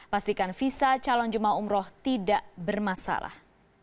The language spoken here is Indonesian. pastikan visa calon jemaah umroh tidak bermasalah